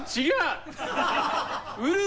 違う！